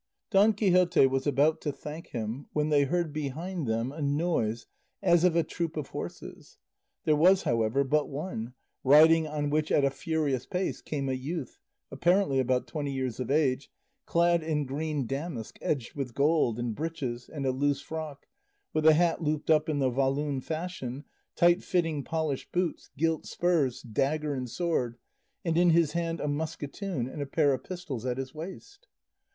Don Quixote was about to thank him, when they heard behind them a noise as of a troop of horses; there was, however, but one, riding on which at a furious pace came a youth, apparently about twenty years of age, clad in green damask edged with gold and breeches and a loose frock, with a hat looped up in the Walloon fashion, tight fitting polished boots, gilt spurs, dagger and sword, and in his hand a musketoon, and a pair of pistols at his waist.